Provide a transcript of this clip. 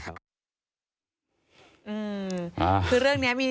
คือเรื่องนี้มี